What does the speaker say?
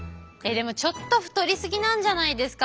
でもちょっと太り過ぎなんじゃないですか？